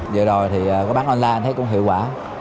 vừa rồi thì có bán online thấy cũng hiệu quả